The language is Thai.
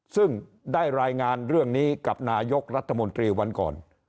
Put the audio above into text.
ซึ่งได้รายงานเรื่องนี้กับนายกรัฐมนตรีวันก่อน